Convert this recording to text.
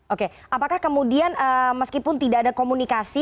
oke apakah kemudian meskipun tidak ada komunikasi